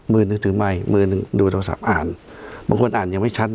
มือหนึ่งถือไมค์มือหนึ่งดูโทรศัพท์อ่านบางคนอ่านยังไม่ชัดนะ